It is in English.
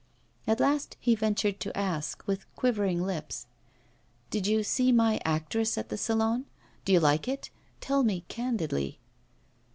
At last he ventured to ask, with quivering lips: 'Did you see my actress at the Salon? Do you like it? Tell me candidly.